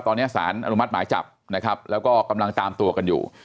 ตอนนี้สารอนุมัติหมายจับนะครับแล้วก็กำลังตามตัวกันอยู่